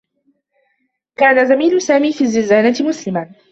كان زميل سامي في الزّنزانة مسلما.